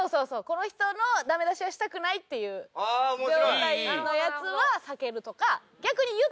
この人のダメ出しはしたくないっていう状態のやつは避けるとか。